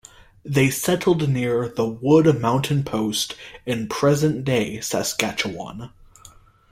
They settled near the Wood Mountain post in present-day Saskatchewan.